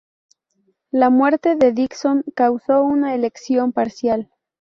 La muerte de Dickson causó una elección parcial.